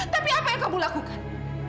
tapi apa yang kamu lakukan